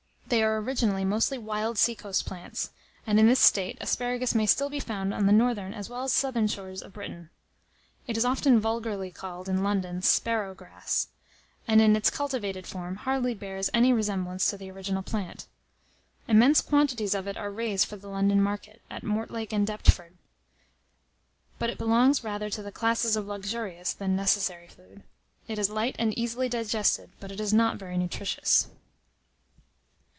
They are originally mostly wild seacoast plants; and, in this state, asparagus may still be found on the northern as well as southern shores of Britain. It is often vulgarly called, in London, sparrowgrass; and, in it's cultivated form, hardly bears any resemblance to the original plant. Immense quantities of it are raised for the London market, at Mortlake and Deptford; but it belongs rather to the classes of luxurious than necessary food. It is light and easily digested, but is not very nutritious.